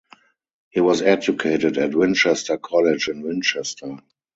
He was educated at Winchester College in Winchester.